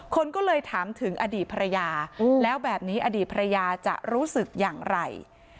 คนก็เลยถามถึงอดีตภรรยาแล้วแบบนี้อดีตภรรยาจะรู้สึกอย่างไร